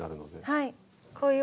はい。